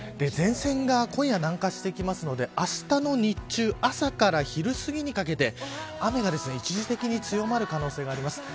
前線が今夜、南下してきますのであしたの日中朝から昼すぎにかけて雨が一時的に強まる可能性があります。